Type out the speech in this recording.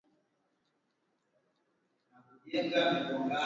kuna hatua za kukomesha vitendo hivyo na sio maneno pekee